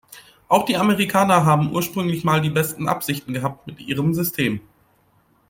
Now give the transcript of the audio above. Auch die Amerikaner haben ursprünglich mal die besten Absichten gehabt mit ihrem System.